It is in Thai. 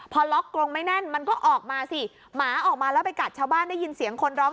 พอล็อกกรงไม่แน่นมันก็ออกมาสิหมาออกมาแล้วไปกัดชาวบ้านได้ยินเสียงคนร้อง